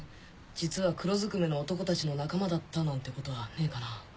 実は黒ずくめの男たちの仲間だったなんてことはねえかな。